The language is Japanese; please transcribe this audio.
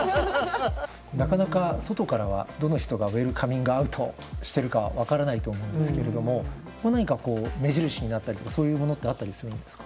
なかなか外からはどの人がウェルカミングアウトしてるか分からないと思うんですけれども何かこう目印になったりとかそういうものってあったりするんですか？